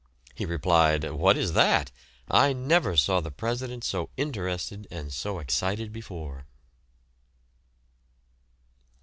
He replied, "What is that? I never saw the president so interested and so excited before."